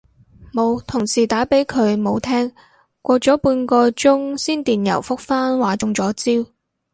冇，同事打畀佢冇聽，過咗半個鐘先電郵覆返話中咗招